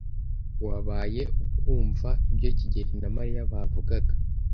Wabaye ukumva ibyo kigeli na Mariya bavugaga?